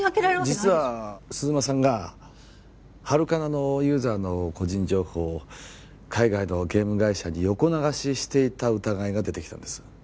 実は鈴間さんがハルカナのユーザーの個人情報を海外のゲーム会社に横流ししていた疑いが出てきたんです